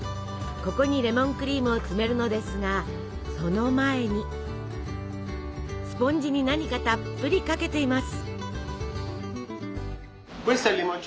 ここにレモンクリームを詰めるのですがその前にスポンジに何かたっぷりかけています。